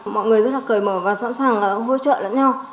mọi người rất là cởi mở và sẵn sàng hỗ trợ lẫn nhau